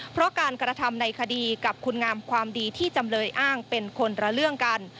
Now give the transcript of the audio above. เพราะการกระทำในคดีกับคุณงามความดีที่จำเลยอ้างเป็นคนละเรื่องกัน